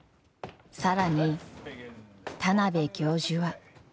更に田邊教授は。